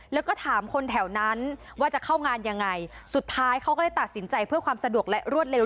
แล้วก็ถามคนแถวนั้นว่าจะเข้างานยังไงสุดท้ายเขาก็เลยตัดสินใจเพื่อความสะดวกและรวดเร็ว